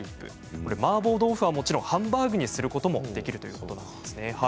これはマーボー豆腐はもちろんハンバーグにすることもできるということなんですね。